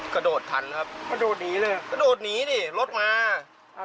ก็โดดหนีเลยเหรอก็โดดหนีรถมา